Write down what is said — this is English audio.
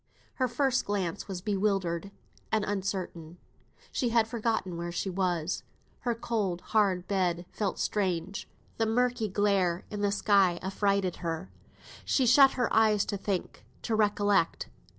Her first glance was bewildered and uncertain. She had forgotten where she was. Her cold, hard bed felt strange; the murky glare in the sky affrighted her. She shut her eyes to think, to recollect.